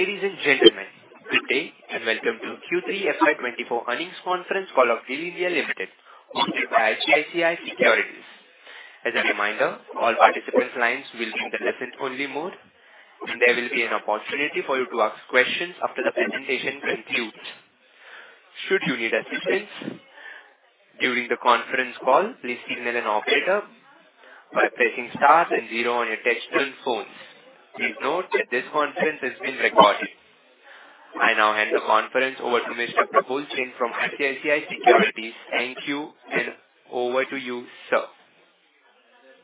Ladies and gentlemen, good day, and welcome to Q3 FY 2024 earnings conference call of GAIL (India) Limited, hosted by ICICI Securities. As a reminder, all participant lines will be in the listen-only mode. There will be an opportunity for you to ask questions after the presentation concludes. Should you need assistance during the conference call, please signal an operator by pressing star and zero on your touch-tone phones. Please note that this conference is being recorded. I now hand the conference over to Mr. Pankaj from ICICI Securities. Thank you, and over to you, sir.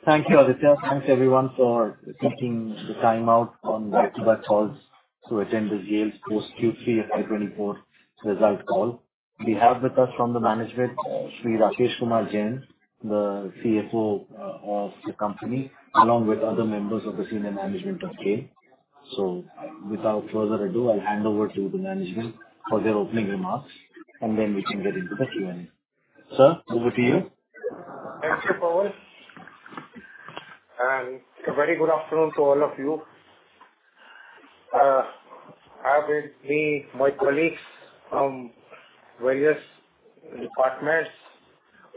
Thank you, Aditya. Thanks, everyone, for taking the time out from your regular calls to attend the GAIL post Q3 FY 2024 result call. We have with us from the management, Shri Rakesh Kumar Jain, the CFO of the company, along with other members of the senior management of GAIL. So without further ado, I'll hand over to the management for their opening remarks, and then we can get into the Q&A. Sir, over to you. Thank you, Pankaj, and a very good afternoon to all of you. I have with me my colleagues from various departments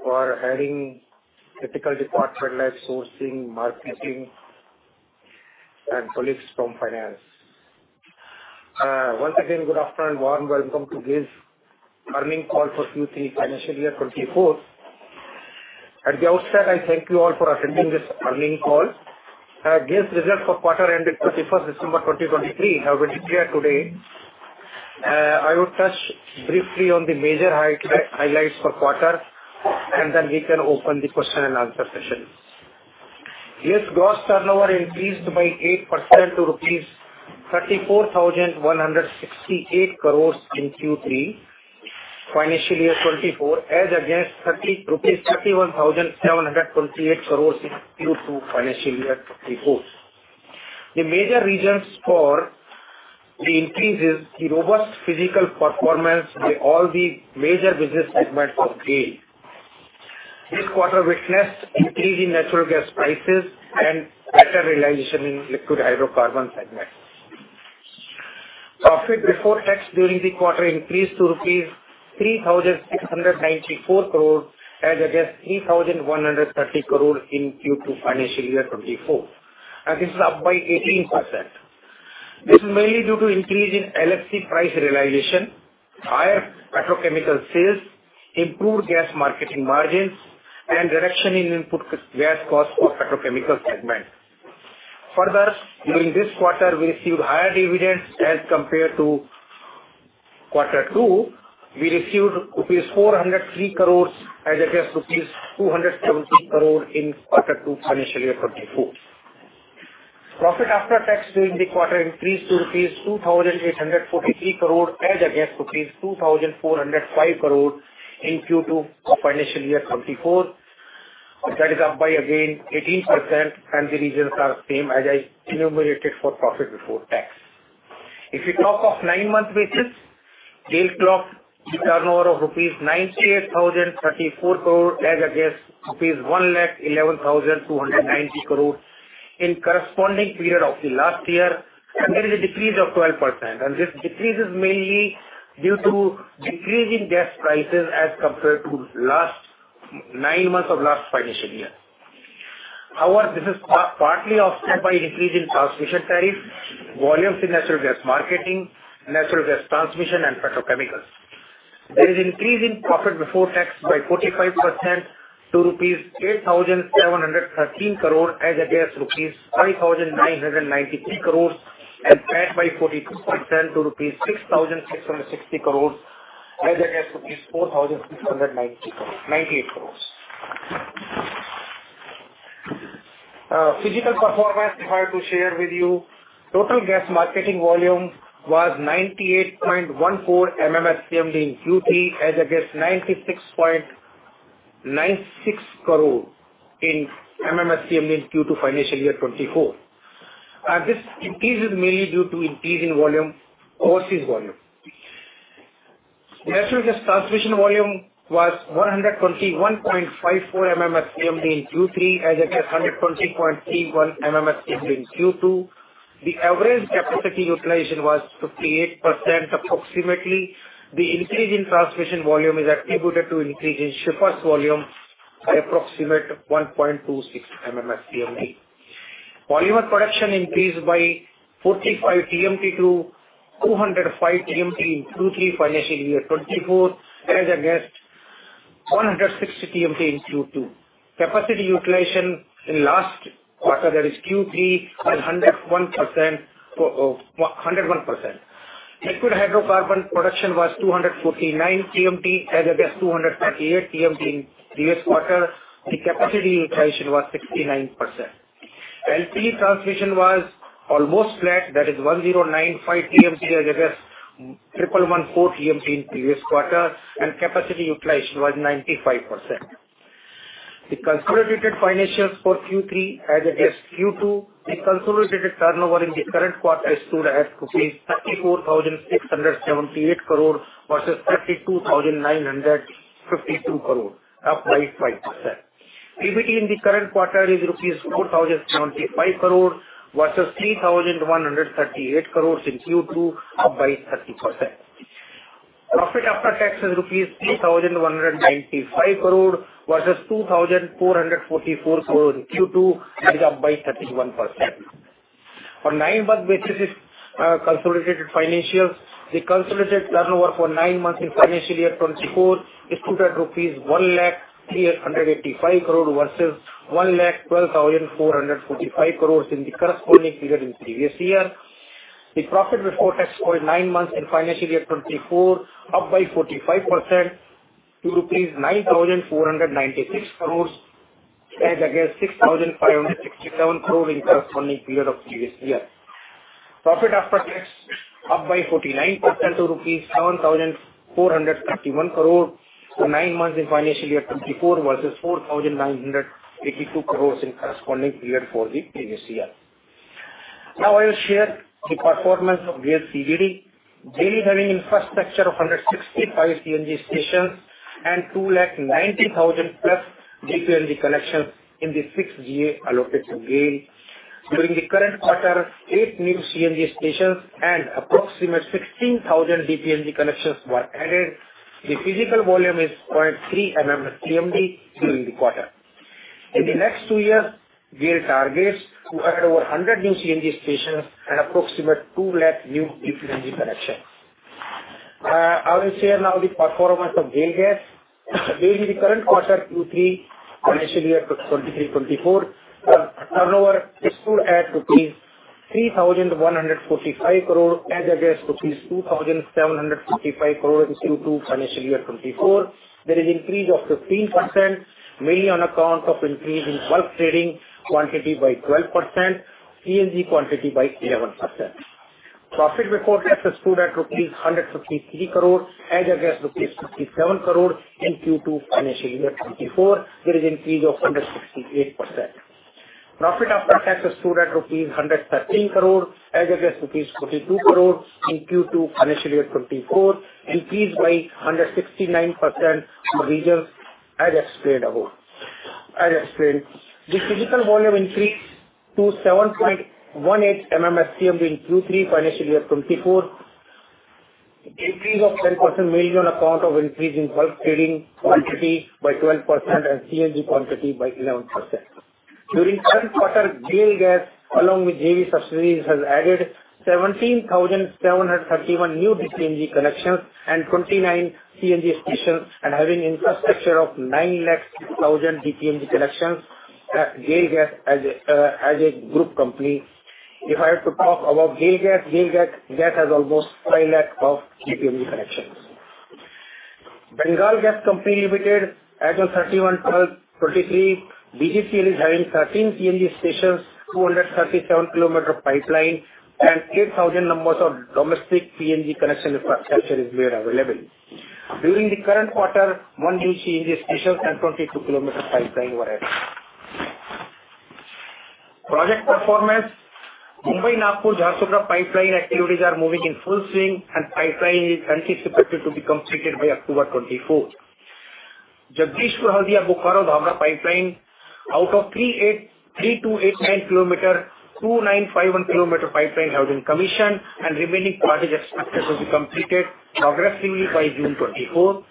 who are heading critical department like sourcing, marketing, and colleagues from finance. Once again, good afternoon and warm welcome to GAIL's earnings call for Q3 financial year 2024. At the outset, I thank you all for attending this earnings call. GAIL's results for quarter ending 31 December 2023 have been declared today. I would touch briefly on the major highlights for quarter, and then we can open the question and answer session. GAIL's gross turnover increased by 8% to rupees 34,168 crore in Q3, financial year 2024, as against 31,728 crore rupees in Q2 financial year 2024. The major reasons for the increase is the robust physical performance in all the major business segments of GAIL. This quarter witnessed increase in natural gas prices and better realization in liquid hydrocarbon segment. Profit before tax during the quarter increased to INR 3,694 crore, as against INR 3,130 crore in Q2 financial year 2024, and this is up by 18%. This is mainly due to increase in LHC price realization, higher petrochemical sales, improved gas marketing margins, and reduction in input gas cost for petrochemical segment. Further, during this quarter, we received higher dividends as compared to quarter two. We received rupees 403 crore as against rupees 217 crore in quarter two, financial year 2024. Profit after tax during the quarter increased to 2,843 crore rupees, as against rupees 2,405 crore in Q2 financial year 2024. That is up by, again, 18%, and the reasons are same as I enumerated for profit before tax. If you talk of nine-month basis, GAIL clocked the turnover of rupees 98,034 crore, as against rupees 111,290 crore in corresponding period of the last year, and there is a decrease of 12%. This decrease is mainly due to decrease in gas prices as compared to last nine months of last financial year. However, this is partly offset by increase in transmission tariff, volumes in natural gas marketing, natural gas transmission, and petrochemicals. There is increase in profit before tax by 45% to rupees 8,713 crore, as against rupees 5,993 crores, and PAT by 42% to rupees 6,660 crores, as against rupees 4,698 crores. Physical performance I have to share with you. Total gas marketing volume was 98.14 MMSCM in Q3, as against 96.96 MMSCM in Q2 financial year 2024. And this increase is mainly due to increase in volume, overseas volume. Natural gas transmission volume was 121.54 MMSCM in Q3, as against 120.31 MMSCM in Q2. The average capacity utilization was 58%, approximately. The increase in transmission volume is attributed to increase in shippers volume by approximate 1.26 MMSCMD. Volume of production increased by 45 TMT to 205 TMT in Q3 financial year 2024, as against 160 TMT in Q2. Capacity utilization in last quarter, that is Q3, was 101%, 101%. Liquid hydrocarbon production was 249 TMT, as against 238 TMT in previous quarter. The capacity utilization was 69%. LPG transmission was almost flat, that is, 1095 TMT, as against 1114 TMT in previous quarter, and capacity utilization was 95%. The consolidated financials for Q3 as against Q2, the consolidated turnover in the current quarter stood at INR 34,678 crore, versus INR 32,952 crore, up by 5%. PBT in the current quarter is INR 4,075 crore, versus INR 3,138 crore in Q2, up by 30%. Profit after tax is INR 3,195 crore, versus INR 2,444 crore in Q2, it is up by 31%. For nine months basis, consolidated financials, the consolidated turnover for nine months in financial year 2024 is stood at 1,00,385 crore rupees, versus 1,12,445 crore in the corresponding period in previous year. The profit before tax for nine months in financial year 2024, up by 45% to rupees 9,496 crore, as against 6,567 crore in corresponding period of previous year. Profit after tax, up by 49% to rupees 7,431 crore for nine months in financial year 2024, versus 4,982 crore in corresponding period for the previous year. Now, I will share the performance of GAIL CNG. GAIL having infrastructure of 165 CNG stations and 290,000+ DPNG connections in the six GA allocated GAIL. During the current quarter, 8 new CNG stations and approximately 16,000 DPNG connections were added. The physical volume is 0.3 MMSCMD during the quarter. In the next two years, GAIL targets to add over 100 new CNG stations and approximate 200,000 new DPNG connections. I will share now the performance of GAIL Gas. During the current quarter, Q3, financial year 2023-24, turnover is stood at INR 3,145 crore, as against 2,755 crore in Q2 financial year 2024. There is increase of 15%, mainly on account of increase in bulk trading, quantity by 12%, CNG quantity by 11%. Profit before tax is stood at INR 153 crore, as against INR 57 crore in Q2 financial year 2024. There is increase of 168%. Profit after tax is stood at INR 113 crore, as against INR 42 crore in Q2 financial year 2024, increased by 169% for reasons as explained above. As explained, the physical volume increased to 7.18 MMSCMD in Q3, financial year 2024. Increase of 10% mainly on account of increase in bulk trading quantity by 12% and CNG quantity by 11%. During third quarter, GAIL Gas, along with JV subsidiaries, has added 17,731 new DPNG connections and 29 CNG stations, and having infrastructure of 900,000 DPNG connections, GAIL Gas as a group company. If I have to talk about GAIL Gas, GAIL Gas has almost 500,000 DPNG connections. Bengal Gas Company Limited, as on 31 December 2023, BGCL is having 13 CNG stations, 237-kilometer pipeline, and 8,000 numbers of domestic PNG connection infrastructure is made available. During the current quarter, one CNG station and 22-kilometer pipeline were added. Project performance: Mumbai-Nagpur-Jharsuguda pipeline activities are moving in full swing, and pipeline is anticipated to be completed by October 2024. Jagdishpur-Haldia-Dhamra pipeline, out of 3,289 kilometer, 2,951 kilometer pipeline has been commissioned, and remaining part is expected to be completed progressively by June 2024.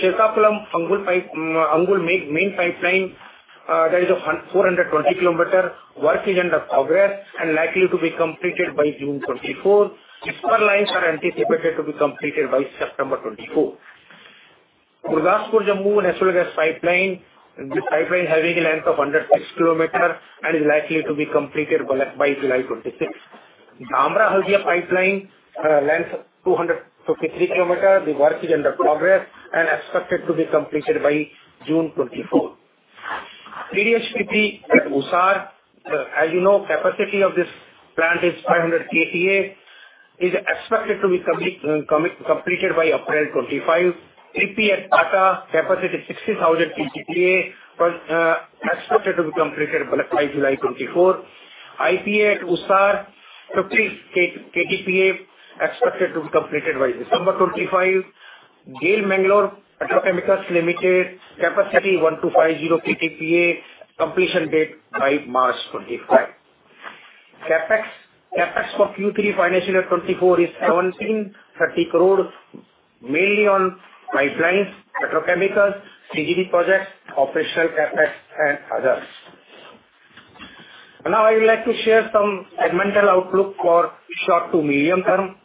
Srikakulam-Angul pipeline, Angul main pipeline, that is of 420 kilometer. Work is under progress and likely to be completed by June 2024. Spur lines are anticipated to be completed by September 2024. Gurdaspur-Jammu natural gas pipeline, the pipeline having a length of 106 km and is likely to be completed by July 2026. Dhamra-Haldia pipeline, length of 253 km, the work is under progress and expected to be completed by June 2024. PDHPP at Usar, as you know, capacity of this plant is 500 KTA, is expected to be completed by April 2025. PP at Pata, capacity 60,000 KTPA, expected to be completed by July 2024. IPA at Usar, 50 KTPA, expected to be completed by December 2025. GAIL Mangalore Petrochemicals Limited, capacity 1,250 KTPA, completion date by March 2025. CapEx for Q3 financial year 2024 is 1,730 crore, mainly on pipelines, petrochemicals, CGD projects, operational CapEx, and others. Now, I would like to share some segmental outlook for short to medium term.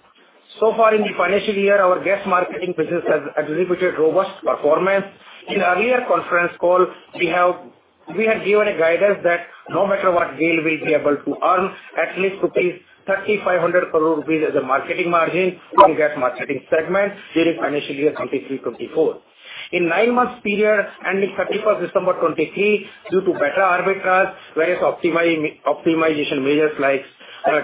So far in the financial year, our gas marketing business has exhibited robust performance. In earlier conference call, we had given a guidance that no matter what, GAIL will be able to earn at least 3,500 crore rupees as a marketing margin in the gas marketing segment during financial year 2023-24. In nine-month period, ending 31 December 2023, due to better arbitrage, various optimization measures like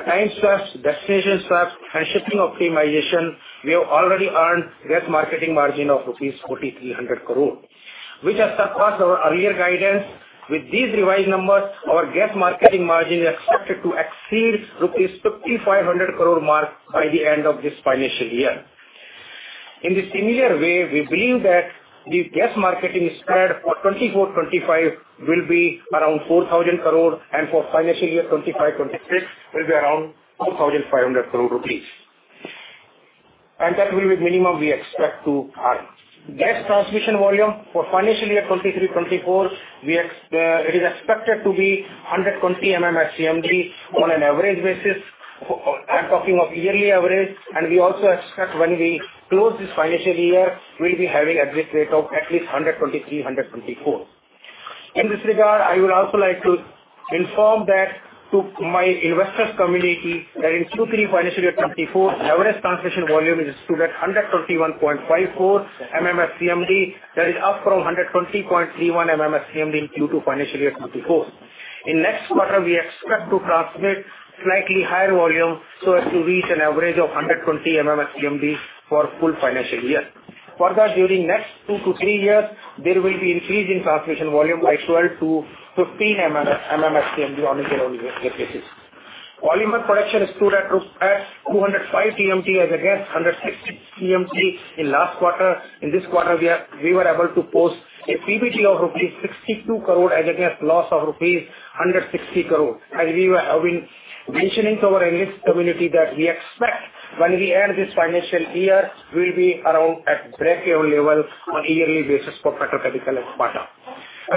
time swaps, destination swaps, and shipping optimization, we have already earned gas marketing margin of rupees 4,300 crore, which has surpassed our earlier guidance. With these revised numbers, our gas marketing margin is expected to exceed the INR 5,500 crore mark by the end of this financial year. In the similar way, we believe that the gas marketing spread for 2024-25 will be around 4,000 crore, and for financial year 2025-26, will be around 4,500 crore rupees. And that will be minimum we expect to earn. Gas transmission volume for financial year 2023-24, we expect it to be 120 MMSCMD on an average basis. I'm talking of yearly average, and we also expect when we close this financial year, we'll be having an average rate of at least 123-124. In this regard, I would also like to inform that to my investors community, that in Q3 financial year 2024, the average transmission volume is stood at 121.54 MMSCMD. That is up from 120.31 MMSCMD in Q2 financial year 2024. In next quarter, we expect to transmit slightly higher volume so as to reach an average of 120 MMSCMD for full financial year. Further, during next two to three years, there will be increase in transmission volume by 12-15 MMSCMD on a year-on-year basis. Polymer production is stood at 205 TMT as against 160 TMT in last quarter. In this quarter, we were able to post a PBT of rupees 62 crore as against loss of rupees 160 crore. As we were mentioning to our analyst community that we expect when we end this financial year, we'll be around at breakeven level on a yearly basis for petrochemical and Pata.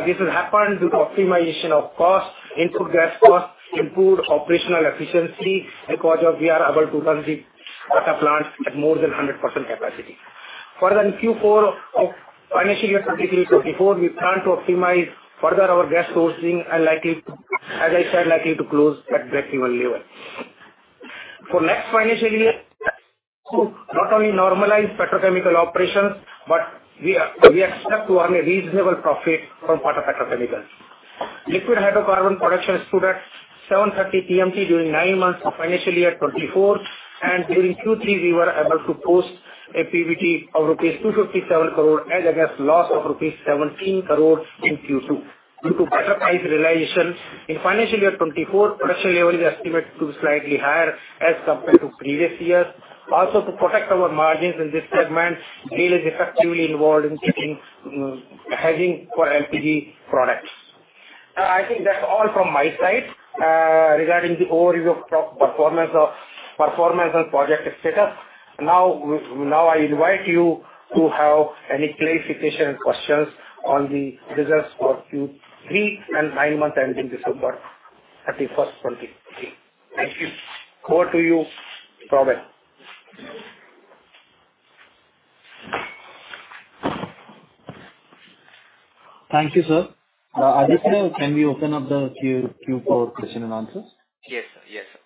This will happen due to optimization of cost, input gas cost, improved operational efficiency, and because of we are able to run the Pata plant at more than 100% capacity. Further, in Q4 of financial year 2023-24, we plan to optimize further our gas sourcing and likely, as I said, likely to close at breakeven level. For next financial year, not only normalize petrochemical operations, but we are, we expect to earn a reasonable profit from Pata petrochemicals. Liquid hydrocarbon production stood at 730 TMT during nine months of financial year 2024, and during Q3, we were able to post a PBT of 257 crore as against loss of 17 crore rupees in Q2, due to better price realization. In financial year 2024, production level is estimated to be slightly higher as compared to previous years. Also, to protect our margins in this segment, GEL is effectively involved in setting hedging for LPG products. I think that's all from my side, regarding the overview of performance and project status. Now I invite you to have any clarification and questions on the results for Q3 and nine months ending December 31, 2023. Thank you. Over to you, Pandey. Thank you, sir. Aditya, can we open up the Q&A for questions and answers? Yes, sir. Yes, sir.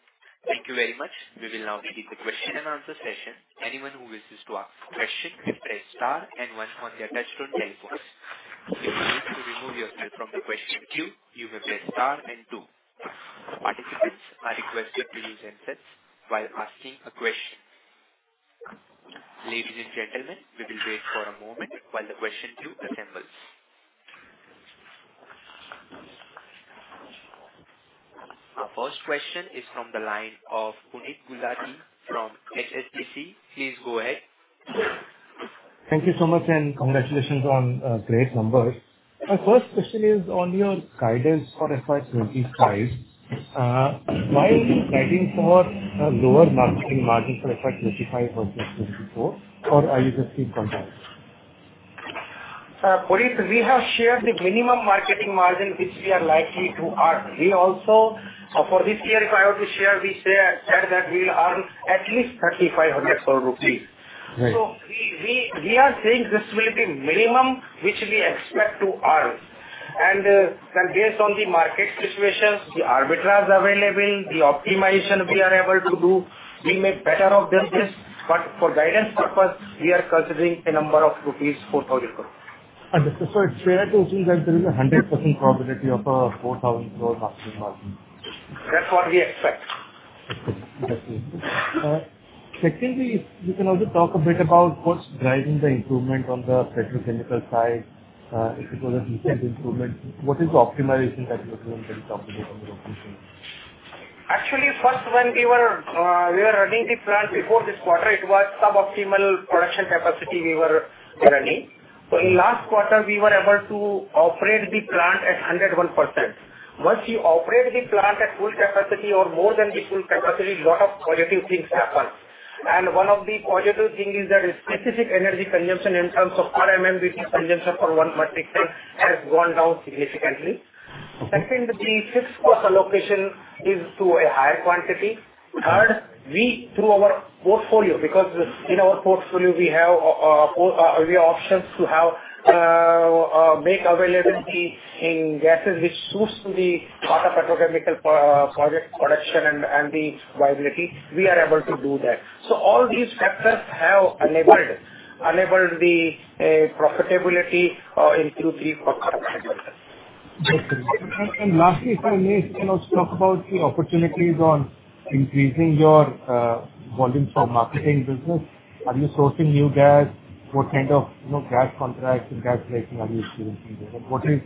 Thank you very much. We will now begin the question and answer session. Anyone who wishes to ask a question, press star and one on your touch-tone telephone. If you need to remove yourself from the question queue, you may press star and two. Participants are requested to mute themselves while asking a question. Ladies and gentlemen, we will wait for a moment while the question queue assembles. Our first question is from the line of Puneet Gulati from HSBC. Please go ahead. Thank you so much, and congratulations on great numbers. My first question is on your guidance for FY 25. Why are you guiding for a lower marketing margin for FY 25 versus 24, or are you just being cautious? Puneet, we have shared the minimum marketing margin which we are likely to earn. We also... for this year, if I have to share, we share, said that we will earn at least 3,500 crore rupees. Right. We are saying this will be minimum, which we expect to earn. Then based on the market situations, the arbitrage available, the optimization we are able to do, we make better of business. But for guidance purpose, we are considering a number of INR 4,000 crore. Understood. So it's fair to assume that there is 100% probability of a 4,000 crore marketing margin? That's what we expect. Okay. Secondly, if you can also talk a bit about what's driving the improvement on the petrochemical side, if it was a recent improvement, what is the optimization that you are doing that is helping you on the petrochemical? Actually, first, when we were running the plant before this quarter, it was sub-optimal production capacity we were running. So in last quarter, we were able to operate the plant at 101%. Once you operate the plant at full capacity or more than the full capacity, lot of positive things happen. And one of the positive thing is that specific energy consumption in terms of RMMBC consumption for one metric ton has gone down significantly. Second, the fixed cost allocation is to a higher quantity. Third, we, through our portfolio, because in our portfolio we have, we have options to have make availability in gases which suits to the Pata petrochemical project production and the viability, we are able to do that. All these factors have enabled the profitability in Q3 for the current financial year. Okay. And lastly, if you may, can also talk about the opportunities on increasing your volumes for marketing business. Are you sourcing new gas? What kind of, you know, gas contracts and gas pricing are you seeing in this? What is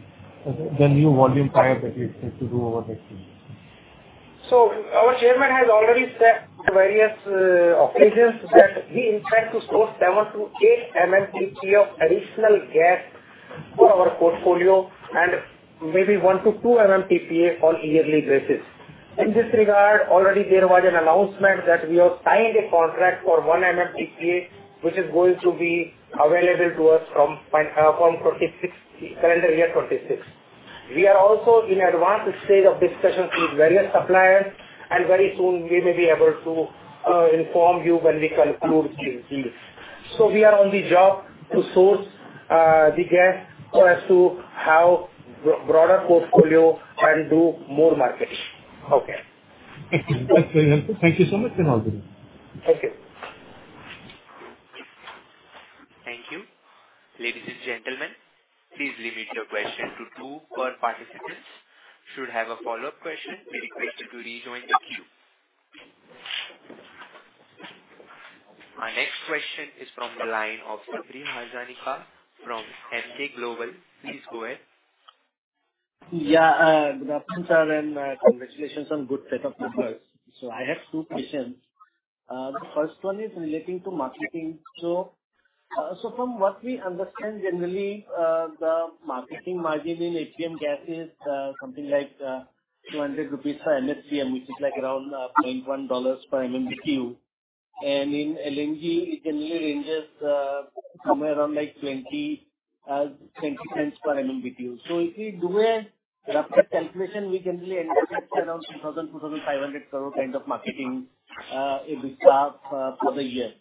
the new volume plan that you expect to do over next year? So our chairman has already said to various occasions that he intends to source 7-8 MMTPA of additional gas for our portfolio, and maybe 1-2 MMTPA on yearly basis. In this regard, already there was an announcement that we have signed a contract for 1 MMTPA, which is going to be available to us from, from 2046, calendar year 2046. We are also in advanced stage of discussions with various suppliers, and very soon we may be able to inform you when we conclude the deals. So we are on the job to source the gas so as to have broader portfolio and do more marketing. Okay. Thank you. That's very helpful. Thank you so much, and all good. Thank you. Thank you. Ladies and gentlemen, please limit your question to two per participant. Should you have a follow-up question, we request you to rejoin the queue. Our next question is from the line of Sabri Hazarika from Emkay Global. Please go ahead. Yeah, good afternoon, sir, and, congratulations on good set of numbers. So I have two questions. The first one is relating to marketing. So, so from what we understand, generally, the marketing margin in APM gas is, something like, 200 rupees per MSCM, which is like around, $0.1 per MMBTU. And in LNG, it generally ranges, somewhere around like twenty, twenty cents per MMBTU. So if we do a rough calculation, we generally understand around 2,000 crore-500 crore kind of marketing, EBITDA, for the year.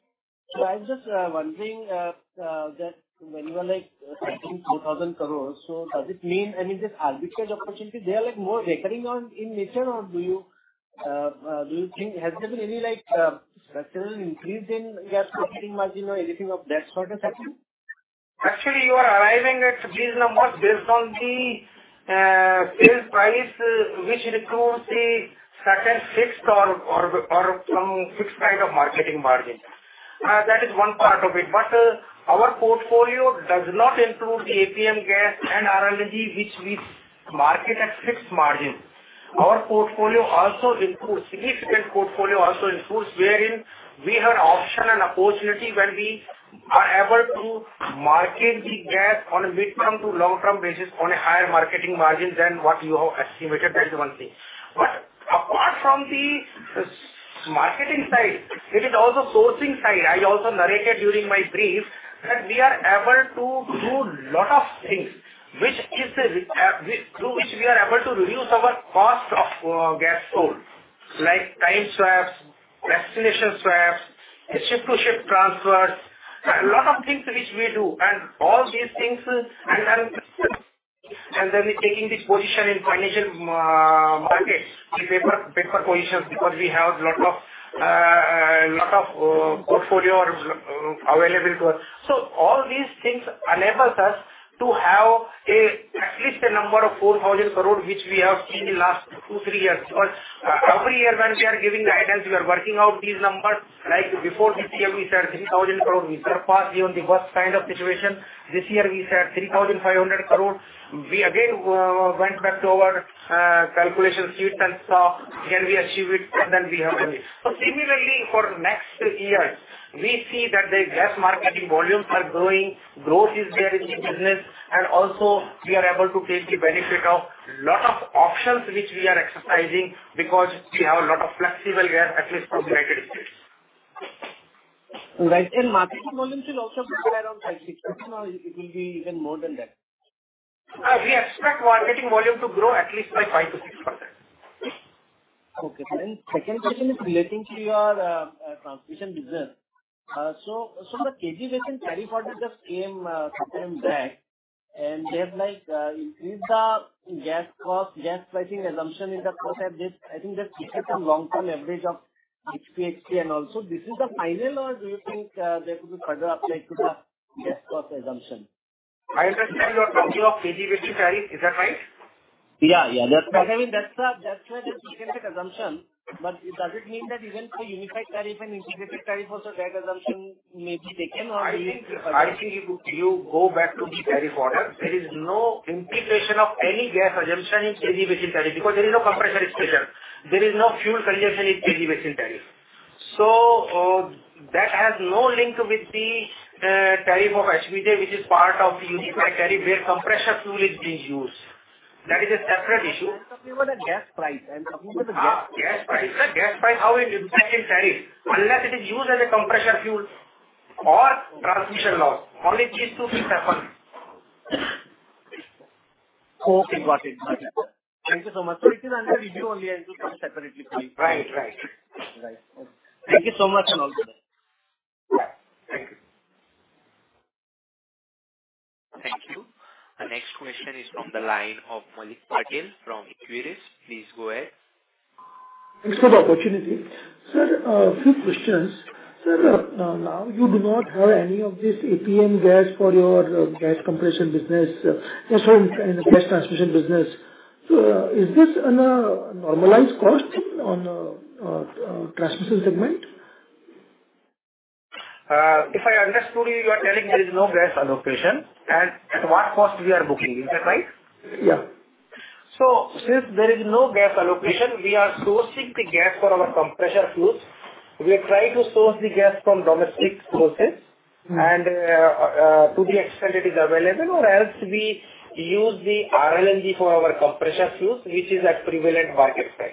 So I'm just wondering that when you are like taking 2,000 crore, so does it mean any of this arbitrage opportunity they are like more recurring on in nature, or do you do you think has there been any like structural increase in your marketing margin or anything of that sort of nature? Actually, you are arriving at these numbers based on the base price, which includes the second fixed or some fixed kind of marketing margin. That is one part of it, but our portfolio does not include the APM gas and RLNG, which we market at fixed margin. Our portfolio also includes significant portfolio also includes wherein we have an option and opportunity when we are able to market the gas on a midterm to long-term basis on a higher marketing margin than what you have estimated. That is one thing. But apart from the marketing side, it is also sourcing side. I also narrated during my brief that we are able to do a lot of things, through which we are able to reduce our cost of gas sold, like time swaps, destination swaps, ship-to-ship transfers, a lot of things which we do and all these things, and, and, and then we're taking this position in financial markets, the paper, paper positions, because we have a lot of, lot of portfolio available to us. So all these things enables us to have at least a number of 4,000 crore, which we have in the last two, three years. Because, every year when we are giving the guidance, we are working out these numbers, like before this year, we said 3,000 crores, we surpassed even the worst kind of situation. This year we said 3,500 crore. We again went back to our calculation sheets and saw, can we achieve it? And then we have done it. So similarly, for next years, we see that the gas marketing volumes are growing, growth is there in the business, and also we are able to take the benefit of lot of options which we are exercising because we have a lot of flexible gas, at least from the United States. Right. Marketing volumes will also be around 5-6, or it will be even more than that? We expect marketing volume to grow at least by 5%-6%. Okay. And second question is relating to your transmission business. So, the KG Basin tariff order just came back, and they have, like, increased the gas cost, gas pricing assumption in the cost update. I think that's a long-term average of APM and also this is the final, or do you think there could be further update to the gas cost assumption? I understand you are talking of KG Basin tariff, is that right? Yeah, yeah. That's, I mean, that's the, that's why the assumed assumption. But does it mean that even for Unified Tariff and integrated tariff, also that assumption may be taken or…? I think, I think if you go back to the tariff order, there is no integration of any gas assumption in KG Basin tariff, because there is no compressor expansion. There is no fuel consumption in KG Basin tariff. So, that has no link with the tariff of HVJ, which is part of the Unified Tariff, where compressor fuel is being used. That is a separate issue. We were the gas price, and we were the gas- Gas price. The gas price, how it impacts in tariff, unless it is used as a compressor fuel or transmission loss, only these two things happen. Okay, got it. Got it. Thank you so much. It is under review only and separately for you. Right. Right. Right. Thank you so much, and all good. Thank you. Thank you. Our next question is from the line of Maulik Patel from Quintess. Please go ahead. Thanks for the opportunity. Sir, a few questions. Sir, now you do not have any of this APM gas for your gas compression business, sorry, in the gas transmission business. So, is this on a normalized cost on transmission segment? If I understood you, you are telling there is no gas allocation, and at what cost we are booking, is that right? Yeah. So since there is no gas allocation, we are sourcing the gas for our compressor fuels. We are trying to source the gas from domestic sources, and to the extent it is available, or else we use the RLNG for our compressor fuels, which is at prevalent market price.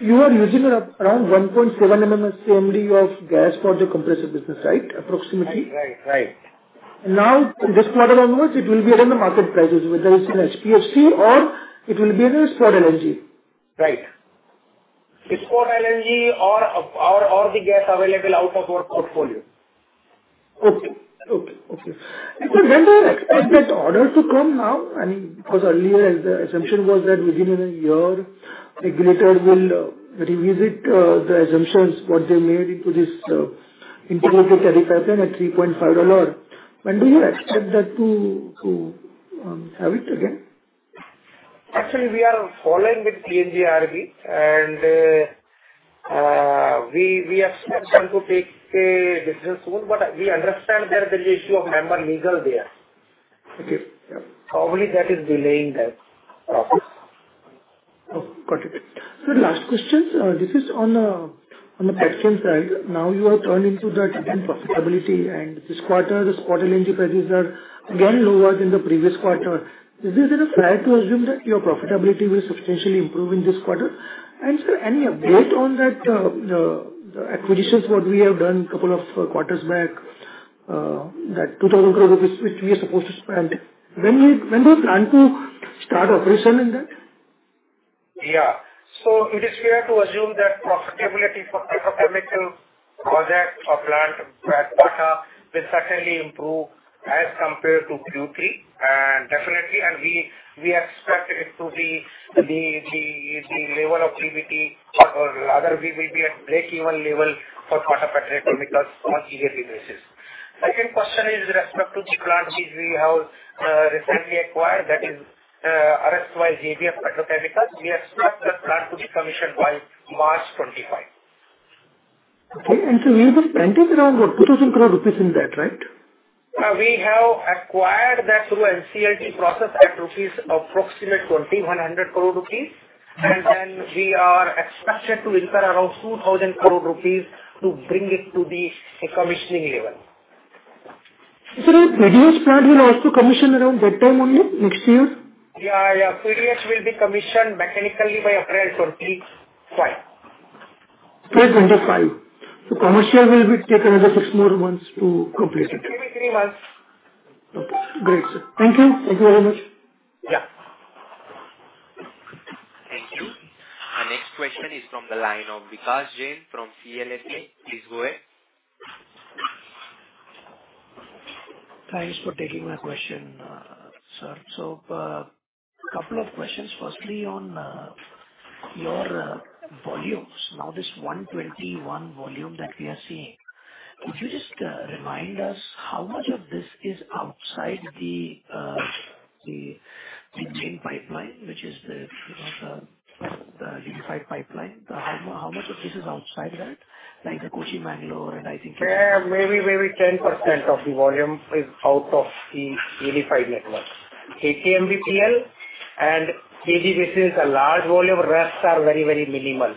You are using around 1.7 MMSCMD of gas for your compressor business, right? Approximately. Right. Right. Now, this quarter onwards, it will be around the market prices, whether it's an SPHT or it will be in a spot LNG. Right. Spot LNG or the gas available out of our portfolio. Okay. And when do you expect that order to come now? I mean, because earlier, the assumption was that within a year, the regulator will revisit the assumptions what they made into this integrated tariff at $3.5. When do you expect that to have it again? Actually, we are following with PNGRB, and we expect them to take a decision soon, but we understand that there is issue of member legal there. Okay. Yeah. Probably that is delaying that process. Oh, got it. Sir, last question, this is on the petrol side. Now you have turned into that profitability, and this quarter, the LNG prices are again lower than the previous quarter. Is this a fair to assume that your profitability will substantially improve in this quarter? And, sir, any update on that, the acquisitions, what we have done couple of quarters back, that 2,000 crore rupees, which we are supposed to spend, when do you plan to start operation in that? Yeah. So it is fair to assume that profitability for petrochemical project or plant, Pata, will certainly improve as compared to Q3. And definitely, and we expect it to be the level of Q3, or rather, we will be at breakeven level for Pata Petrochemicals on yearly basis. Second question is with respect to the plant which we have recently acquired, that is, JBF Petrochemicals. We expect the plant to be commissioned by March 2025. Okay. And so you were spending around 2,000 crore rupees in that, right? We have acquired that through NCLT process at approximately 2,100 crore rupees. Okay. Then we are expected to incur around 2,000 crore rupees to bring it to the commissioning level. Sir, the PDS plant will also commission around that time only, next year? Yeah, yeah. PDS will be commissioned mechanically by April 2025. April 25. So commercial will be take another six more months to complete it? Maybe three months. Okay, great, sir. Thank you. Thank you very much. Yeah. Thank you. Our next question is from the line of Vikas Jain from CLSA. Please go ahead. Thanks for taking my question, sir. So, couple of questions. Firstly, on your volumes. Now, this 121 volume that we are seeing, could you just remind us how much of this is outside the main pipeline, which is the, you know, the unified pipeline? How much of this is outside that, like the Kochi, Mangalore, and I think- Maybe, maybe 10% of the volume is out of the unified network. KTM, BPL, and KG Basin, a large volume, rest are very, very minimal.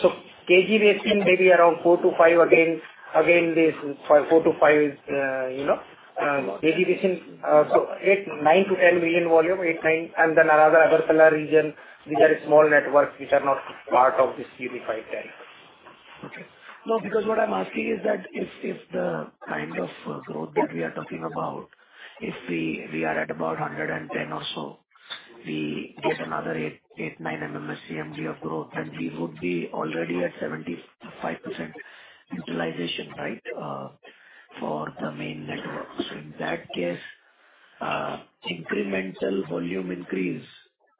So KG Basin may be around 4-5 again, again, this 4-5, you know, KG Basin, so 8-10 million volume, 8, 9, and then another Agartala region, which are small networks, which are not part of this unified network. Okay. No, because what I'm asking is that if the kind of growth that we are talking about, if we are at about 110 or so, we get another 8-9 MMSCMD of growth, and we would be already at 75% utilization, right, for the main network. So in that case, incremental volume increase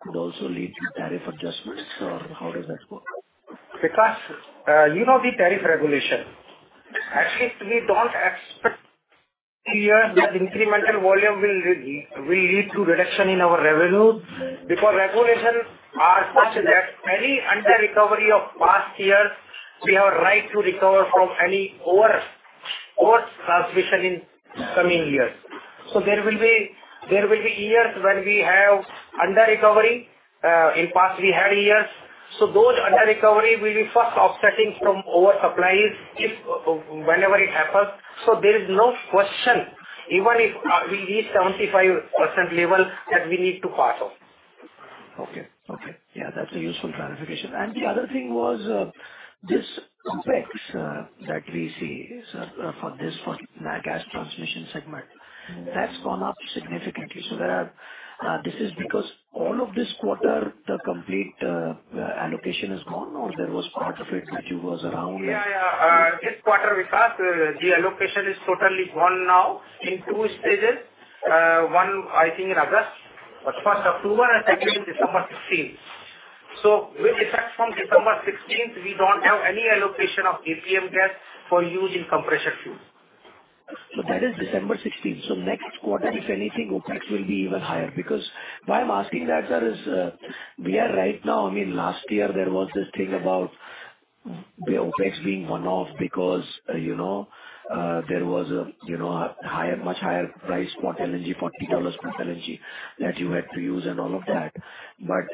could also lead to tariff adjustments, or how does that work? Vikas, you know, the tariff regulation. Actually, we don't expect here that incremental volume will lead to reduction in our revenue, because regulations are such that any under recovery of past years, we have a right to recover from any over transmission in coming years. So there will be years when we have under recovery. In past we had years. So those under recovery will be first offsetting from oversupplies if whenever it happens. So there is no question, even if we reach 75% level, that we need to pass on. Okay. Okay. Yeah, that's a useful clarification. And the other thing was, this CapEx, that we see, sir, for this, for nat gas transmission segment, that's gone up significantly. So there are... this is because all of this quarter, the complete, allocation is gone, or there was part of it which was around? Yeah, yeah. This quarter, Vikas, the allocation is totally gone now in two stages. One, I think in August, first October, and second December sixteenth. So with effect from December sixteenth, we don't have any allocation of APM gas for use in compressor fuel. So that is December sixteenth. So next quarter, if anything, OpEx will be even higher. Because why I'm asking that, sir, is, we are right now—I mean, last year there was this thing about the OpEx being one-off because, you know, there was a, you know, a higher, much higher price for LNG, $40 per LNG that you had to use and all of that. But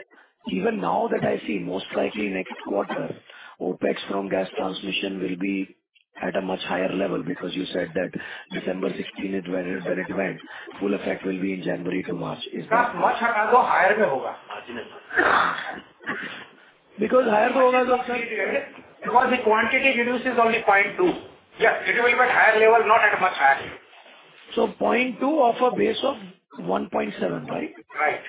even now that I see, most likely next quarter, OpEx from gas transmission will be at a much higher level, because you said that December sixteenth, when it went, full effect will be in January to March. Much higher, higher. Because higher- Because the quantity reduces only 0.2. Yeah, it will be at higher level, not at much higher level. 0.2 of a base of 1.7, right? Right.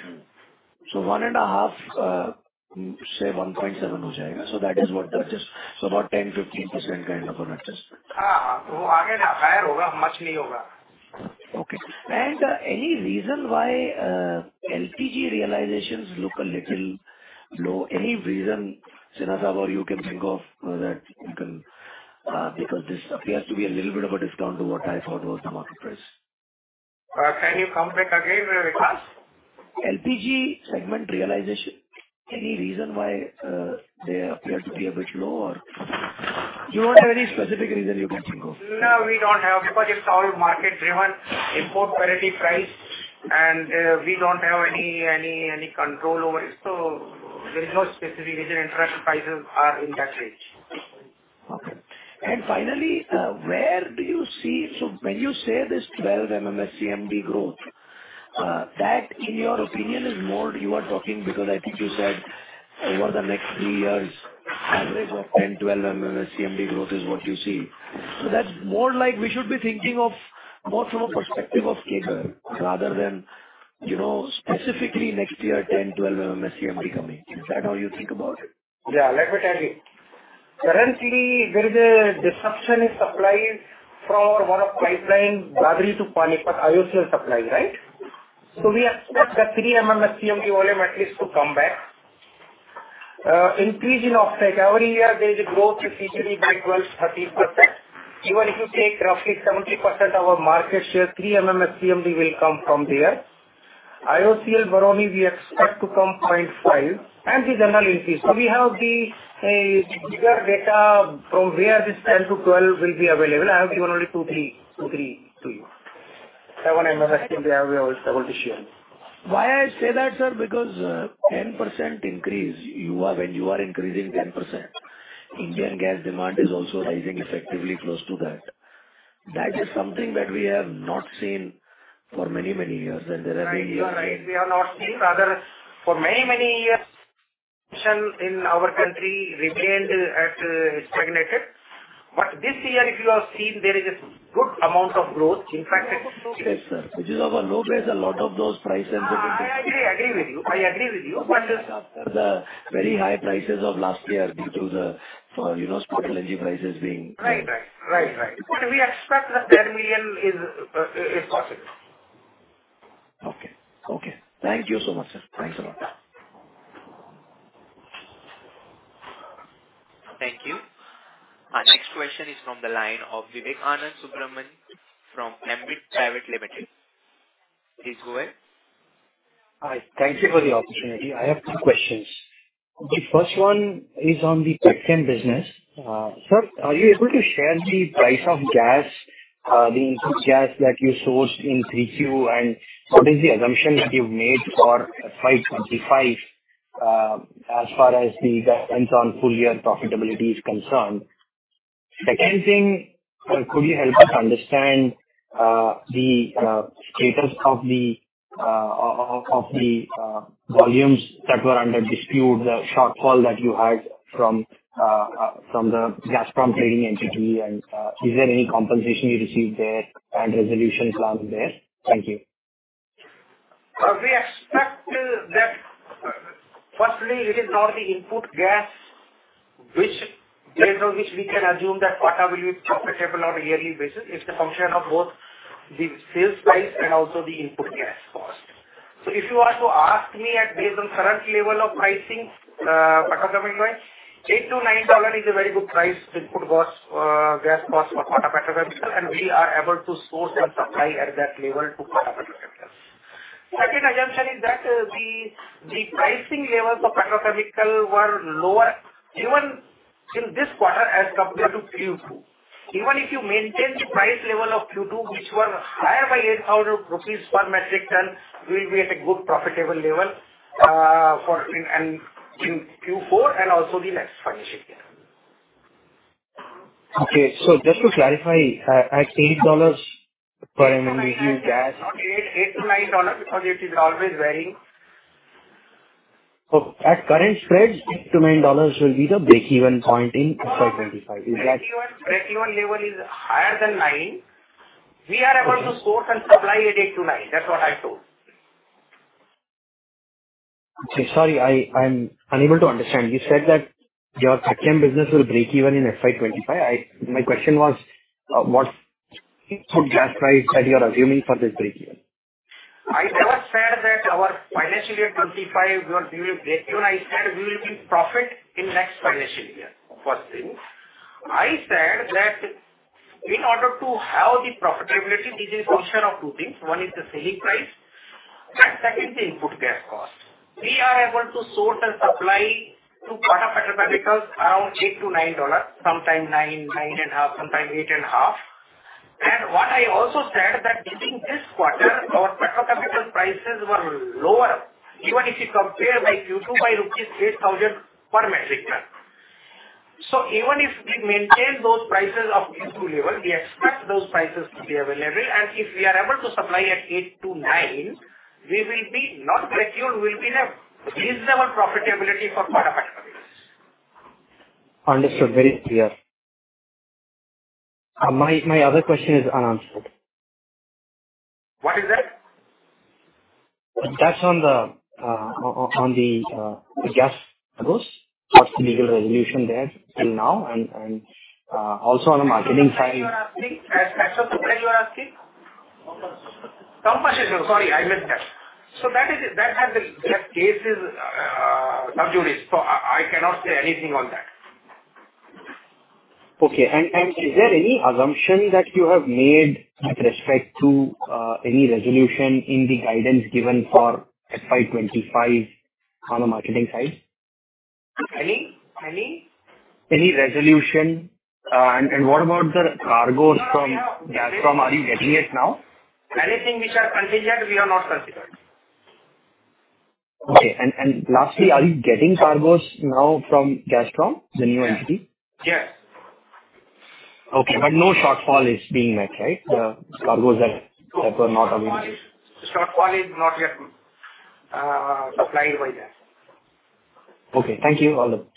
So 1.5, say 1.7, so that is what that is. So about 10%-15% kind of an increase. higher, much higher. Okay. And, any reason why, LPG realizations look a little low? Any reason, Sinha Saab, or you can think of that you can... Because this appears to be a little bit of a discount to what I thought was the market price. Can you come back again? LPG segment realization. Any reason why, they appear to be a bit low, or you don't have any specific reason you can think of? No, we don't have, because it's all market driven, import parity price, and we don't have any control over it. So there is no specific reason prices are in that range. Okay. And finally, where do you see... So when you say this 12 MMSCMD growth, that in your opinion is more you are talking because I think you said over the next three years, average of 10, 12 MMSCMD growth is what you see. So that's more like we should be thinking of more from a perspective of CAGR rather than, you know, specifically next year, 10, 12 MMSCMD coming. Is that how you think about it? Yeah, let me tell you. Currently, there is a disruption in supply for one of pipeline, Dadri to Panipat, IOCL supply, right? So we expect the 3 MMSCMD volume at least to come back. Increase in offtake. Every year there is a growth usually by 12%-13%. Even if you take roughly 70% our market share, 3 MMSCMD will come from there. IOCL, Baroni, we expect to come 0.5, and the general increase. So we have the bigger data from where this 10-12 will be available. I have given only 2-3, 2-3 to you. 7 MMSCMD we have to share. Why I say that, sir, because 10% increase, you are, when you are increasing 10%, Indian gas demand is also rising effectively close to that. That is something that we have not seen for many, many years, and there have been years- You are right. We have not seen, rather, for many, many years in our country remained stagnated. But this year, if you have seen, there is a good amount of growth. In fact- Yes, sir, which is of a low base, a lot of those price sensitivity. I agree with you. I agree with you, but- The very high prices of last year due to the, you know, spot LNG prices being- Right, right. Right, right. But we expect that 10 million is possible. Okay. Okay. Thank you so much, sir. Thanks a lot. Thank you. Our next question is from the line of Vivekanand Subbaraman from Ambit Private Limited. Please go ahead. Hi. Thank you for the opportunity. I have two questions. The first one is on the petchem business. Sir, are you able to share the price of gas, the input gas that you sourced in 3Q, and what is the assumption that you've made for 2025, as far as the depends on full year profitability is concerned? Second thing, could you help us understand the status of the volumes that were under dispute, the shortfall that you had from the Gazprom trading entity, and is there any compensation you received there and resolution plan there? Thank you. We expect that firstly, it is not the input gas which, based on which we can assume that Pata will be profitable on a yearly basis. It's a function of both the sales price and also the input gas cost. So if you are to ask me based on current level of pricing, petrochemical, $8-$9 is a very good price to input cost, gas cost for petrochemical, and we are able to source and supply at that level to petrochemical. Second assumption is that, the pricing levels of petrochemical were lower even in this quarter as compared to Q2. Even if you maintain the price level of Q2, which were higher by 800 rupees per metric ton, we'll be at a good profitable level, for and in Q4 and also the next financial year. Okay. So just to clarify, at $8 per MMBtu gas- Not eight, $8-$9, because it is always varying. Okay. At current spreads, $8-$9 will be the breakeven point in FY 2025. Is that- Breakeven, breakeven level is higher than 9. We are able to source and supply at 8-9. That's what I told. Sorry, I'm unable to understand. You said that your petchem business will break even in FY 2025. My question was, what input gas price that you are assuming for this breakeven? I never said that our financial year 25, we are doing breakeven. I said we will be in profit in next financial year. First thing, I said that in order to have the profitability, this is a function of 2 things. One is the selling price, and second, the input gas cost. We are able to source and supply to quarter petrochemicals around $8-$9, sometimes 9, 9.5, sometimes 8.5. And what I also said that within this quarter, our petrochemical prices were lower. Even if you compare like Q2 by 8,000 rupees per metric ton. So even if we maintain those prices of this level, we expect those prices to be available, and if we are able to supply at $8-$9, we will be not breakeven, we'll be in a reasonable profitability for quarter petrochemicals. Understood. Very clear. My other question is unanswered. What is that? That's on the GAIL Gas. What's the legal resolution there till now, and also on the marketing side- You are asking? What you are asking? Compulsion. Compulsion. Sorry, I missed that. So that is it. That has been, that case is sub judice, so I, I cannot say anything on that. Okay. And is there any assumption that you have made with respect to any resolution in the guidance given for FY 25 on the marketing side? Any, any? Any resolution? And what about the cargoes from Gazprom? Are you getting it now? Anything which are contingent, we have not considered. Okay. And lastly, are you getting cargoes now from Gazprom, the new entity? Yes. Okay, but no shortfall is being met, right? The cargoes that were not available. Shortfall is not yet supplied by them. Okay, thank you. All the best.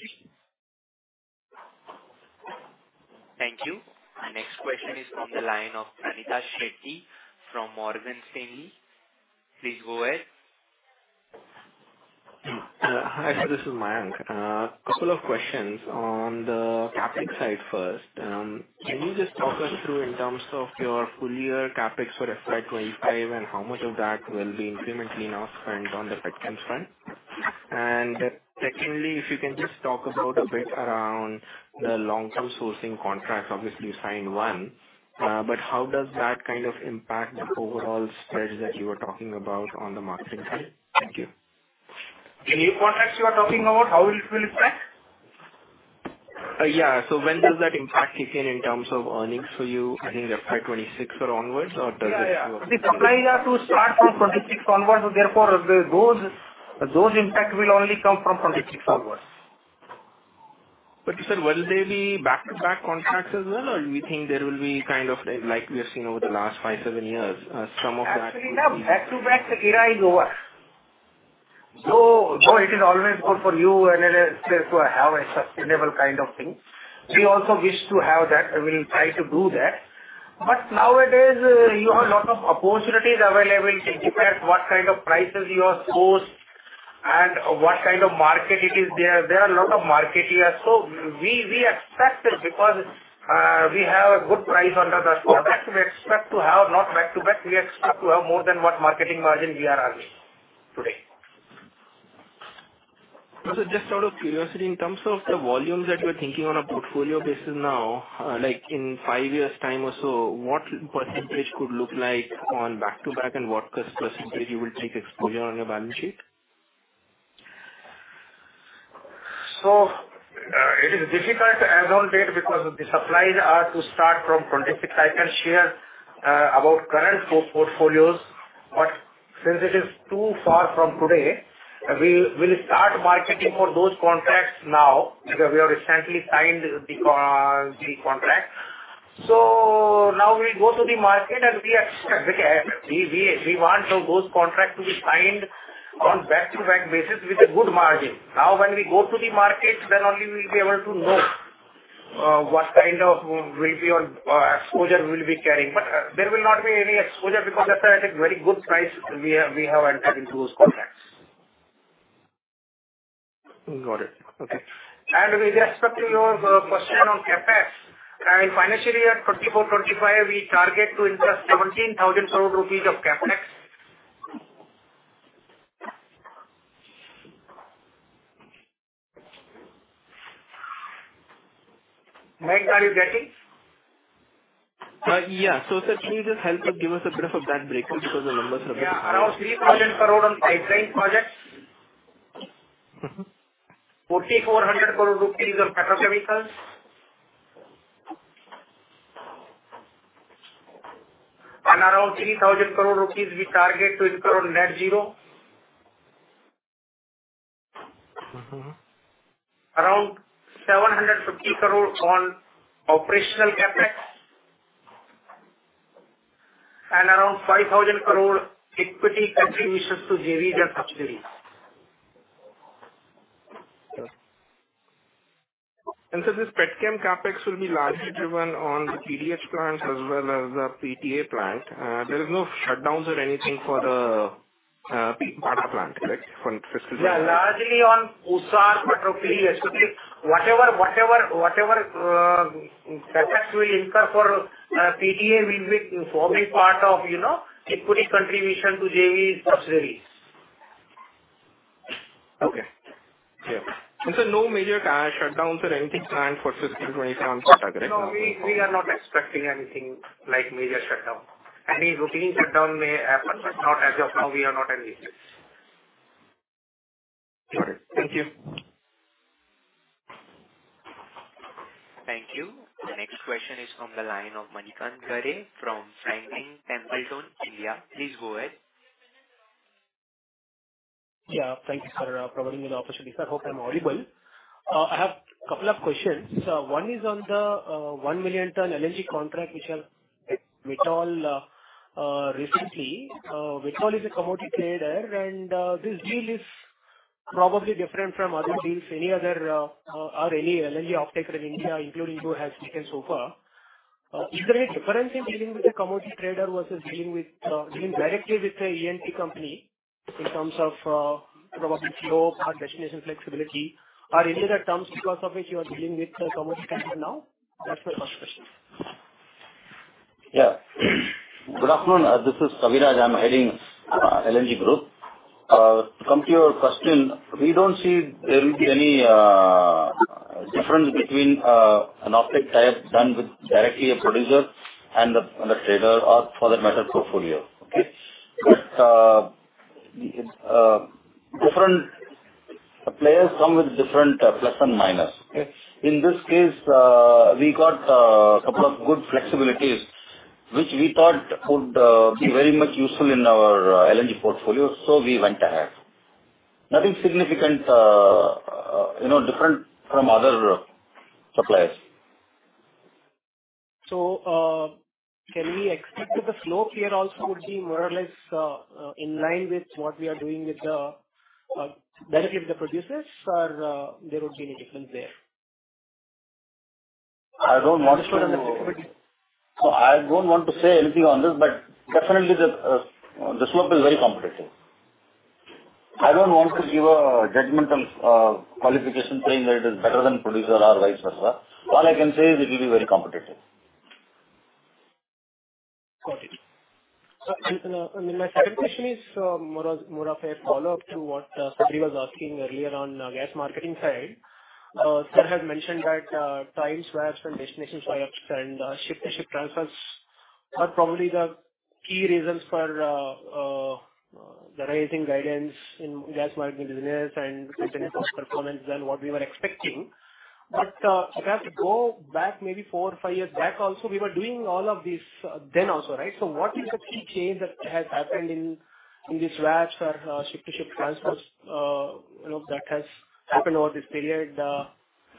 Thank you. Our next question is on the line of Anitha Shetty from Morgan Stanley. Please go ahead. Hi, sir, this is Mayank. Couple of questions on the CapEx side first. Can you just talk us through in terms of your full year CapEx for FY 25, and how much of that will be incrementally now spent on the petchem front? And secondly, if you can just talk about a bit around the long-term sourcing contracts. Obviously, you signed one, but how does that kind of impact the overall spreads that you were talking about on the marketing side? Thank you. The new contracts you are talking about, how it will impact? Yeah. So when does that impact kick in, in terms of earnings for you? I think FY 26 or onwards, or does it- Yeah, yeah. The supplies are to start from 2026 onwards, so therefore, those, those impact will only come from 2026 onwards. Sir, will they be back-to-back contracts as well, or do you think there will be kind of like we have seen over the last 5-7 years, some of that- Actually, now back-to-back, the era is over. So though it is always good for you and then to have a sustainable kind of thing, we also wish to have that, and we'll try to do that. But nowadays, you have a lot of opportunities available. It depends what kind of prices you are sourced and what kind of market it is there. There are a lot of market here. So we, we expect it because we have a good price under the back; we expect to have not back-to-back. We expect to have more than what marketing margin we are earning today. So just out of curiosity, in terms of the volumes that you're thinking on a portfolio basis now, like in five years time or so, what percentage could look like on back-to-back and what percentage you will take exposure on your balance sheet? So, it is difficult to allocate because the supplies are to start from 26. I can share about current portfolios, but since it is too far from today, we'll start marketing for those contracts now, because we have recently signed the contract. So now we go to the market, and we expect we want those contracts to be signed on back-to-back basis with a good margin. Now, when we go to the market, then only we'll be able to know what kind of exposure we'll be carrying. But there will not be any exposure because that's at a very good price we have entered into those contracts. Got it. Okay. With respect to your question on CapEx, in financial year 2024-25, we target to invest 17,000 crore rupees of CapEx. Right, are you getting? Yeah. So, sir, can you just help us give us a bit of a back breakdown because the numbers are- Yeah, around 3,000 crore on pipeline projects. 4,400 crore rupees on petrochemicals. Around 3,000 crore rupees, we target to incur on net zero. Around 750 crore on operational CapEx, and around 5,000 crore equity contributions to JV and subsidiaries. This petchem CapEx will be largely driven on the PDH plants as well as the PTA plant. There is no shutdowns or anything for the Pata plant, like from 50- Yeah, largely on Usar portfolio, especially effects we incur for PTA will be forming part of, you know, equity contribution to JV subsidiaries. Okay. Yeah. So sir, no major shutdowns or anything planned for FY21, correct? No, we are not expecting anything like major shutdown. Any routine shutdown may happen, but not as of now, we are not anticipating. Got it. Thank you. Thank you. The next question is from the line of Manikantha Garre from Franklin Templeton, India. Please go ahead. Yeah, thank you for providing me the opportunity, sir. Hope I'm audible. I have a couple of questions. So one is on the 1 million ton LNG contract which have with Vitol recently. Vitol is a commodity trader, and this deal is probably different from other deals or any LNG offtaker in India, including who has taken so far. Is there any difference in dealing with a commodity trader versus dealing directly with a EMP company in terms of probably flow or destination flexibility? Are there other terms because of which you are dealing with a commodity trader now? That's my first question. Yeah. Good afternoon, this is Kaviraj. I'm heading LNG growth. To come to your question, we don't see there will be any difference between an offtake type done with directly a producer and the trader or for that matter, portfolio. Okay? But different players come with different plus and minus. Okay? In this case, we got a couple of good flexibilities, which we thought would be very much useful in our LNG portfolio, so we went ahead. Nothing significant, you know, different from other suppliers. Can we expect that the flow period also would be more or less in line with what we are doing with the benefit of the producers, or there would be any difference there? Flexibility. I don't want to say anything on this, but definitely the slope is very competitive. I don't want to give a judgmental qualification saying that it is better than producer or vice versa. All I can say is it will be very competitive. Got it. So, and, I mean, my second question is, more of, more of a follow-up to what, Sabri was asking earlier on gas marketing side. Sir has mentioned that, time swaps and destination swaps and, ship-to-ship transfers are probably the key reasons for, the rising guidance in gas marketing business and better performance than what we were expecting. But, if you have to go back maybe four or five years back also, we were doing all of these, then also, right? So what is the key change that has happened in, in these swaps or, ship-to-ship transfers, you know, that has happened over this period?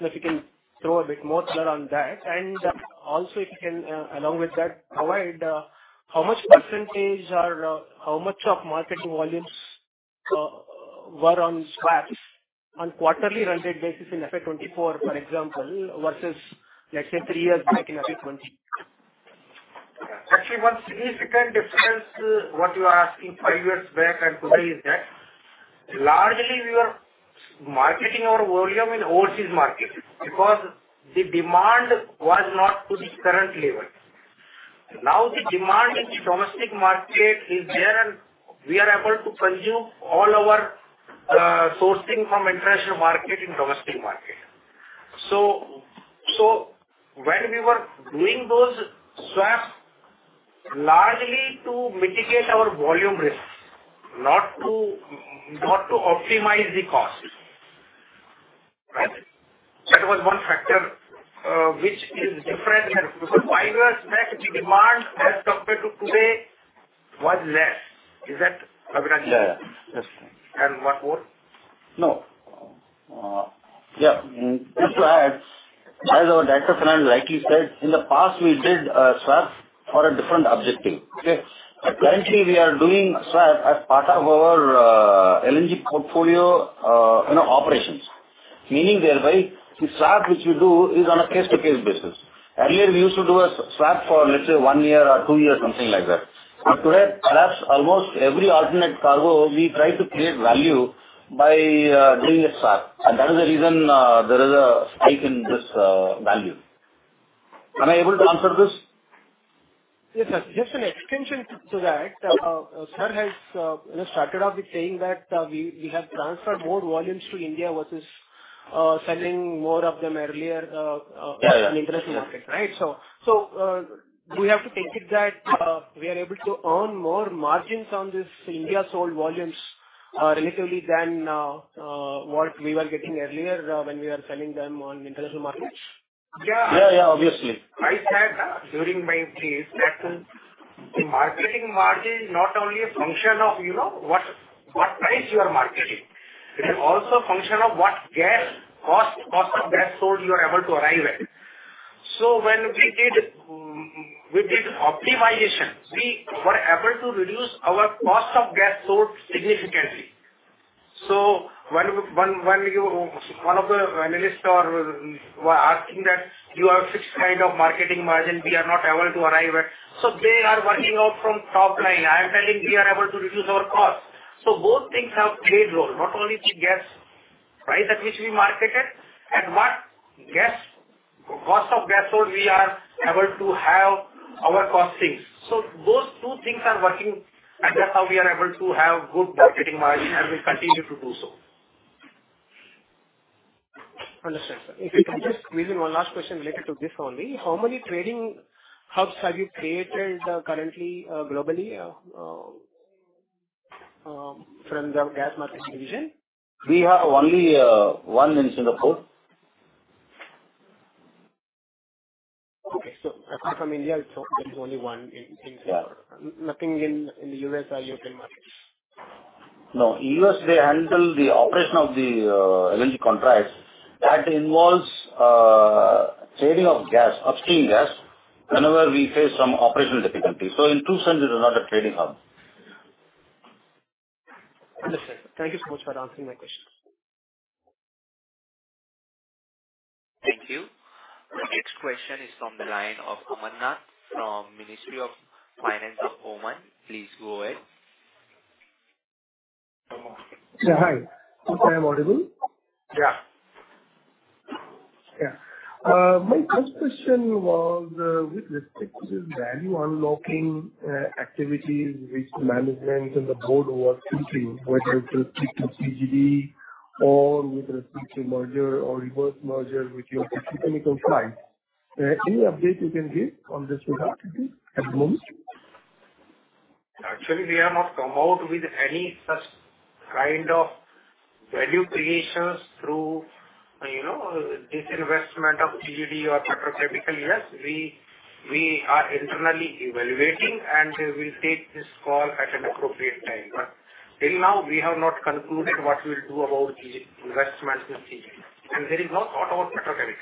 If you can throw a bit more color on that. And also, if you can, along with that, provide how much percentage or how much of marketing volumes were on swaps on quarterly run rate basis in FY 2024, for example, versus, let's say, three years back in FY 2020. Actually, one significant difference, what you are asking five years back and today is that largely we were marketing our volume in overseas market because the demand was not to the current level. Now, the demand in the domestic market is there, and we are able to consume all our, sourcing from international market in domestic market. So, so when we were doing those swaps, largely to mitigate our volume risk, not to, not to optimize the cost. Right? That was one factor, which is different than before. Five years back, the demand as compared to today was less. Is that accurate? Yeah. Yes. What more? No. Yeah, just to add, as our director finally rightly said, in the past, we did swap for a different objective. Okay. But currently we are doing swap as part of our LNG portfolio, you know, operations. Meaning thereby, the swap which we do is on a case-to-case basis. Earlier, we used to do a swap for, let's say, one year or two years, something like that. But today, perhaps almost every alternate cargo, we try to create value by doing a swap. And that is the reason there is a spike in this value. Am I able to answer this? Yes, sir. Just an extension to that, sir has, you know, started off with saying that, we, we have transferred more volumes to India versus, selling more of them earlier, Yeah, yeah. on the international market, right? So, so, do we have to take it that, we are able to earn more margins on this India sold volumes, relatively than, what we were getting earlier, when we were selling them on international markets? Yeah. Yeah, yeah, obviously. I said during my case that the marketing margin is not only a function of, you know, what price you are marketing. It is also a function of what gas cost, cost of gas sold you are able to arrive at. So when we did, we did optimization, we were able to reduce our cost of gas sold significantly. So when when you, one of the analyst are asking that you have fixed kind of marketing margin, we are not able to arrive at. So they are working out from top line. I'm telling we are able to reduce our cost. So both things have played role, not only the gas, right, that which we marketed and what gas, cost of gas sold we are able to have our costings. Those two things are working, and that's how we are able to have good marketing margin, and we continue to do so. Understand, sir. If you can just squeeze in one last question related to this only. How many trading hubs have you created, currently, globally, from the gas marketing division? We have only one in Singapore. Okay. So apart from India, so there is only one in Singapore. Nothing in the U.S. or European markets? No, US, they handle the operation of the LNG contracts. That involves trading of gas, upstream gas, whenever we face some operational difficulty. So in true sense, it is not a trading hub. Understood. Thank you so much for answering my questions. Thank you. The next question is from the line of Amarnath from Ministry of Finance of Oman. Please go ahead. Sir, hi. I hope I am audible? Yeah. Yeah. My first question was, with respect to the value unlocking activities which management and the board was thinking, whether it relates to CGD or with respect to merger or reverse merger with your petrochemical side. Any update you can give on this regard at the moment? Actually, we have not come out with any such kind of value creations through, you know, disinvestment of CGD or petrochemical. Yes, we are internally evaluating, and we'll take this call at an appropriate time. But till now, we have not concluded what we'll do about investment in CGD, and there is no thought about petrochemical.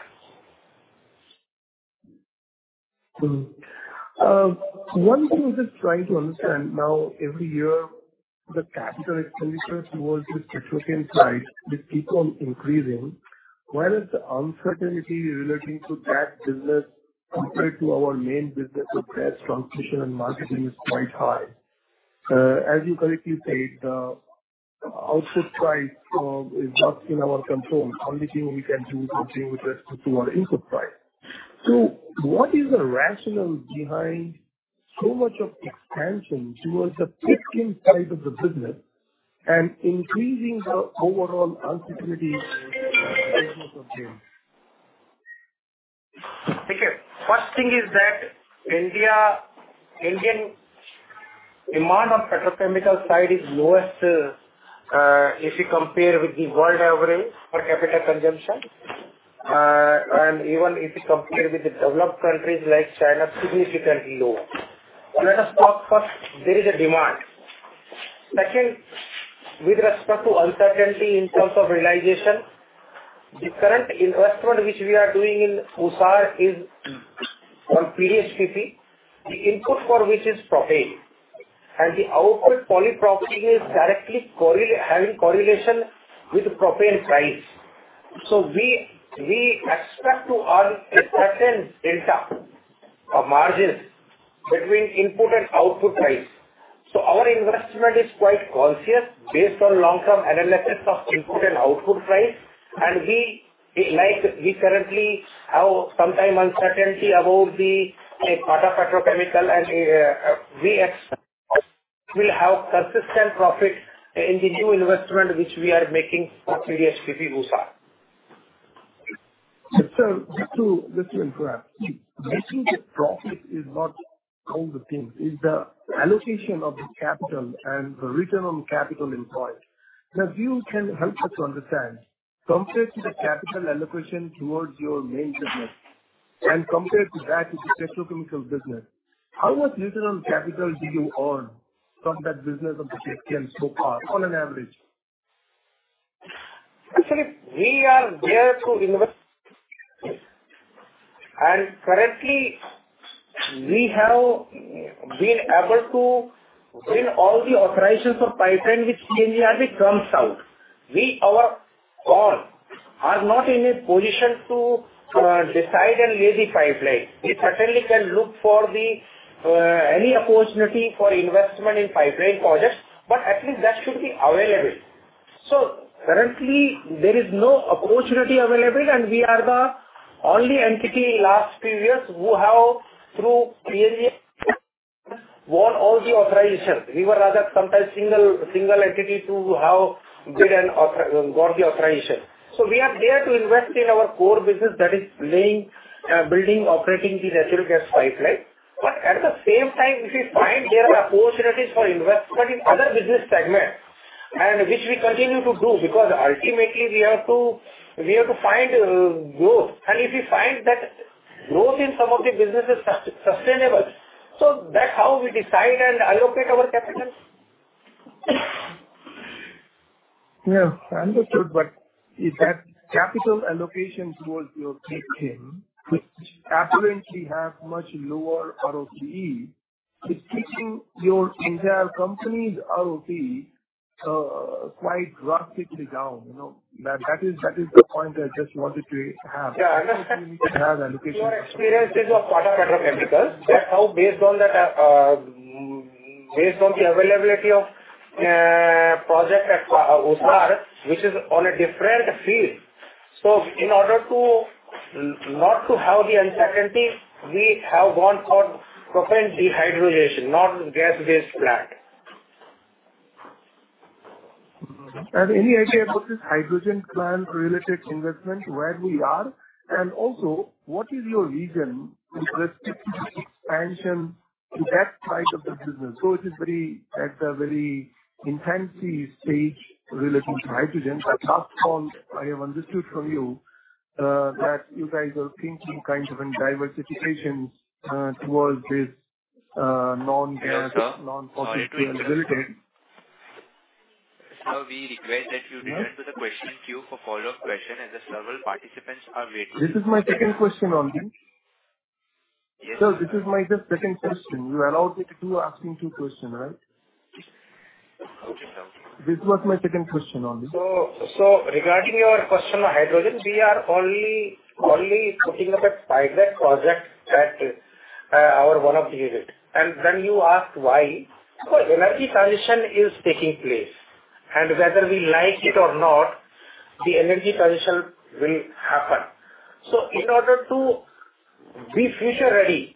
One thing we're just trying to understand now, every year the capital expenditure towards the petrochemical side, they keep on increasing, whereas the uncertainty relating to that business compared to our main business of gas transmission and marketing is quite high. As you correctly said, the output price is not in our control. Only thing we can do is something with respect to our input price. So what is the rationale behind so much of expansion towards the petrochemical side of the business and increasing the overall uncertainty of them? Okay. First thing is that India, Indian demand on petrochemical side is lowest, if you compare with the world average per capita consumption, and even if you compare with the developed countries like China, significantly lower. Let us talk first, there is a demand. Second, with respect to uncertainty in terms of realization, the current investment which we are doing in Usar is on PDHPP, the input for which is propane, and the output polypropylene is directly having correlation with propane price. So we, we expect to earn a certain delta of margins between input and output price. So our investment is quite cautious based on long-term analysis of input and output price, and we, like we currently have some uncertainty about the, like, part of petrochemical and, we will have consistent profit in the new investment which we are making for PDHPP Usar. So just to interact, making the profit is not all the thing, is the allocation of the capital and the return on capital employed. Now, if you can help us to understand, compared to the capital allocation towards your main business and compared to that to the petrochemical business, how much return on capital do you earn from that business of the petrochemical so far, on an average? Actually, we are there to invest. Currently, we have been able to win all the authorizations of pipeline which came as it comes out. We, our call, are not in a position to decide and lay the pipeline. We certainly can look for any opportunity for investment in pipeline projects, but at least that should be available. So currently, there is no opportunity available, and we are the only entity in last few years who have, through PNGRB, won all the authorization. We were rather sometimes single entity to have bid and got the authorization. So we are there to invest in our core business, that is laying, building, operating the natural gas pipeline. But at the same time, if we find there are opportunities for investment in other business segments, and which we continue to do, because ultimately we have to, we have to find growth. And if we find that growth in some of the business is sustainable, so that's how we decide and allocate our capital. Yeah, understood. But if that capital allocation towards your petrochemical, which apparently have much lower ROCE... It's keeping your entire company's ROCE quite drastically down, you know? That, that is, that is the point I just wanted to have. Yeah, I understand. We should have an allocation. Your experience is of quarter petrochemicals. That's how, based on that, based on the availability of project at Usar, which is on a different field. So in order to not to have the uncertainty, we have gone for propane dehydrogenation, not gas-based plant. And any idea about this hydrogen plant related investment, where we are? And also, what is your reason for this expansion to that side of the business? So it is very, at a very infancy stage relating to hydrogen. But last call, I have understood from you, that you guys are thinking kind of in diversification, towards this, non-gas, non-fossil fuel related. Sir, we regret that you return to the question queue for follow-up question, as several participants are waiting. This is my second question only. Yes. Sir, this is my just second question. You allowed me to do asking two question, right? Okay. This was my second question only. So, so regarding your question on hydrogen, we are only, only putting up a pilot project at our one of the unit. And when you ask why? Because energy transition is taking place, and whether we like it or not, the energy transition will happen. So in order to be future-ready,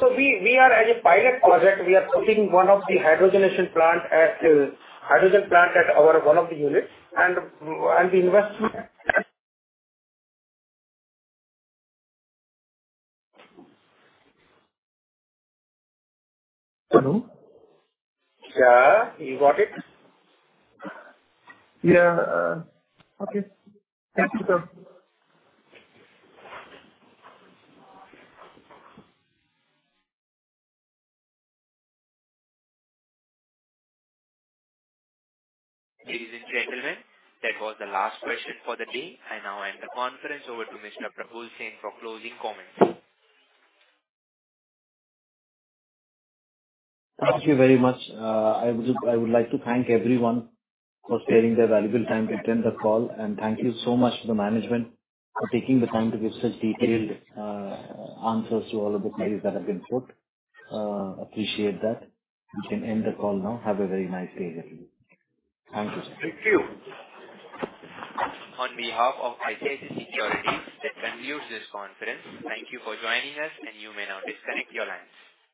so we, we are as a pilot project, we are putting one of the hydrogenation plant at hydrogen plant at our one of the units, and, and the investment- Hello? Yeah. You got it? Yeah. Okay. Thank you, sir. Ladies and gentlemen, that was the last question for the day. I now hand the conference over to Mr. Probal Sen for closing comments. Thank you very much. I would like to thank everyone for sharing their valuable time to attend the call, and thank you so much to the management for taking the time to give such detailed answers to all of the queries that have been put. Appreciate that. We can end the call now. Have a very nice day, everyone. Thank you. Thank you. On behalf of ICICI Securities, that concludes this conference. Thank you for joining us, and you may now disconnect your lines.